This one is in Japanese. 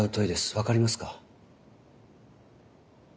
分かりますか？